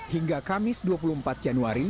hingga kamis dua puluh empat januari